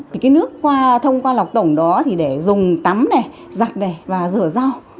thì cái nước qua thông qua lọc tổng đó thì để dùng tắm này giặt này và rửa rau